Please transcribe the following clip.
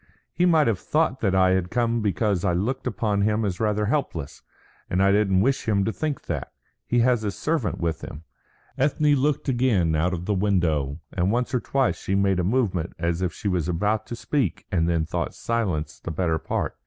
"He might have thought that I had come because I looked upon him as rather helpless, and I don't wish him to think that. He has his servant with him." Ethne looked again out of the window, and once or twice she made a movement as if she was about to speak and then thought silence the better part.